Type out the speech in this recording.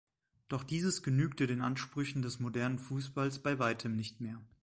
Doch dieses genügte den Ansprüchen des modernen Fußballs bei Weitem nicht mehr.